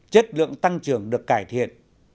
chất lượng tăng trưởng được cải thiện